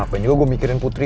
apa yang juga gue mikirin putri